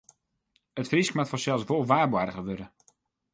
It Frysk moat fansels wol waarboarge wurde.